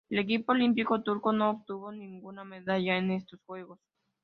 El equipo olímpico turco no obtuvo ninguna medalla en estos Juegos.